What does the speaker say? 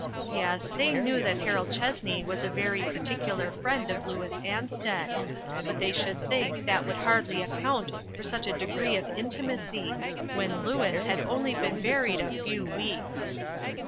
Yes, they knew that Harold Chessney was a very particular friend of Louis Ansted ; but they should think that would hardly account for such a degree of intimacy, when Louis had only been buried a few weeks.